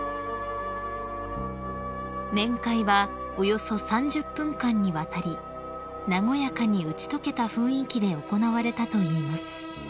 ［面会はおよそ３０分間にわたり和やかに打ち解けた雰囲気で行われたといいます］